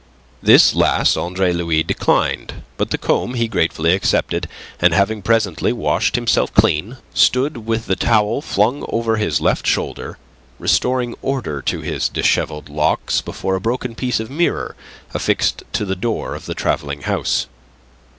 This last Andre Louis declined, but the comb he gratefully accepted, and having presently washed himself clean, stood, with the towel flung over his left shoulder, restoring order to his dishevelled locks before a broken piece of mirror affixed to the door of the travelling house.